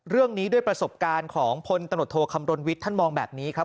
เรื่องนี้ด้วยประสบการณ์ของพลตำรวจโทคำรณวิทย์ท่านมองแบบนี้ครับ